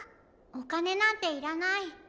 おかねなんていらない。